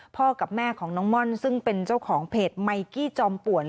กับแม่ของน้องม่อนซึ่งเป็นเจ้าของเพจไมกี้จอมป่วน